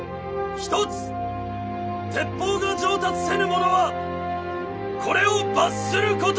一つ「鉄砲が上達せぬ者はこれを罰すること」。